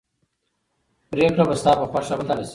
پرېکړه به ستا په خوښه بدله شي.